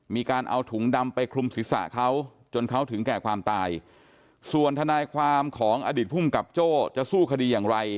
มีการเอาถุงดำไปคลุมศีรษะเขาจนเขาถึงแก่ความตายส่วนทนายความของอดีตภูมิกับโจ้จะสู้คดีอย่างไร